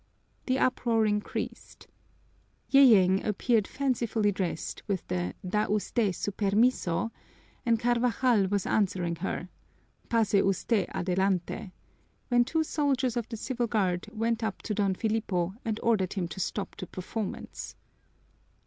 The uproar increased. Yeyeng appeared fancifully dressed, with the "Da usté su permiso?" and Carvajal was answering her, "Pase usté adelante," when two soldiers of the Civil Guard went up to Don Filipo and ordered him to stop the performance.